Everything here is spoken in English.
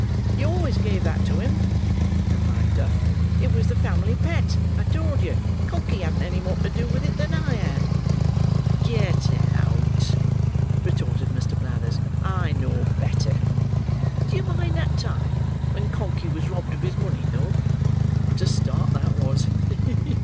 "You always gave that to him" replied Duff. "It was the Family Pet, I tell you. Conkey hadn't any more to do with it than I had." "Get out!" retorted Mr. Blathers; "I know better. Do you mind that time when Conkey was robbed of his money, though? What a start that was!